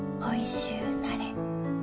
おいしゅうなれ。